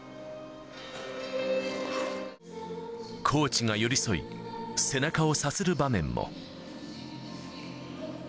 コーチが寄り添い、背中をさする場面も。